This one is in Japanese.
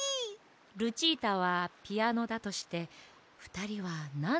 ルチータはピアノだとしてふたりはなんのがっきがいいかしら？